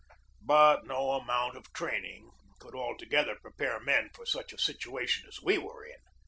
But no amount of training could altogether pre pare men for such a situation as we were in.